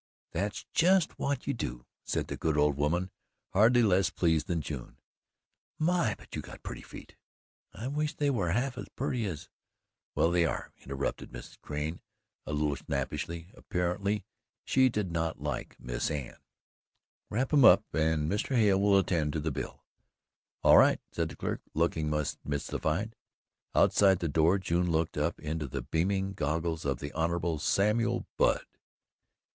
"That's just what you do," said the good old woman, hardly less pleased than June. "My, but you've got pretty feet." "I wish they were half as purty as " "Well, they are," interrupted Mrs. Crane a little snappishly; apparently she did not like Miss Anne. "Wrap 'em up and Mr. Hale will attend to the bill." "All right," said the clerk looking much mystified. Outside the door, June looked up into the beaming goggles of the Hon. Samuel Budd.